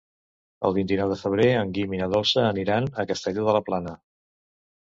El vint-i-nou de febrer en Guim i na Dolça aniran a Castelló de la Plana.